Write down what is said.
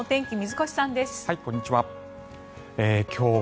こんにちは。